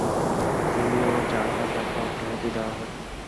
তিনি ও চারবার তাকে অব্যহতি দেয়া হয়।